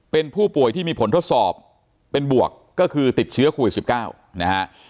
เป็นผู้ป่วยที่มีผลทดสอบเป็นบวกก็คือติดเชื้อโควิด๑๙นะฮะ